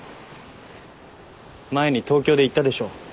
前に東京で言ったでしょ。